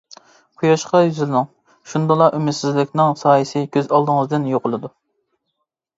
قۇياشقا يۈزلىنىڭ، شۇندىلا ئۈمىدسىزلىكنىڭ سايىسى كۆز ئالدىڭىزدىن يوقىلىدۇ.